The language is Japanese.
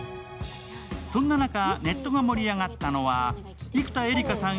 そんな中、ネットが盛り上がったのは、生田絵梨花さん